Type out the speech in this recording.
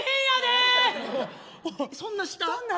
そんな下？